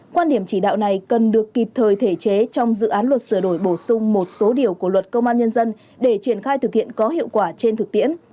quan điểm chỉ đạo này cần được kịp thời thể chế trong dự án luật sửa đổi bổ sung một số điều của luật công an nhân dân để triển khai thực hiện có hiệu quả trên thực tiễn